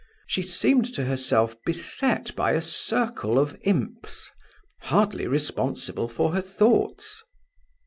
She seemed to herself beset by a circle of imps, hardly responsible for her thoughts.